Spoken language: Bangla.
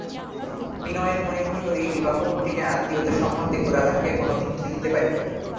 বিনয়ের মনে হইল এই বিবাহ ঘটিলে আত্মীয়তা-সম্বন্ধে গোরা তাহাকে কোনোদিন ঠেলিতে পারিবে না।